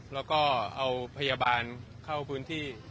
แล้วก็เอาพยาบาลเข้าพื้นที่